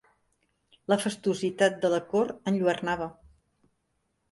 La fastuositat de la cort l'enlluernava.